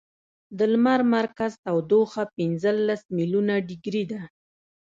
د لمر مرکز تودوخه پنځلس ملیونه ډګري ده.